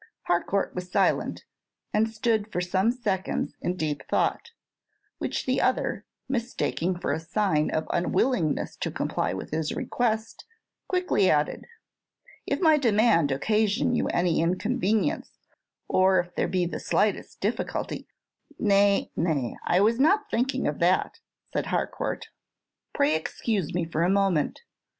Harcourt was silent, and stood for some seconds in deep thought; which the other, mistaking for a sign of unwillingness to comply with his request, quickly added, "If my demand occasion you any inconvenience, or if there be the slightest difficulty " "Nay, nay, I was not thinking of that," said Harcourt. "Pray excuse me for a moment.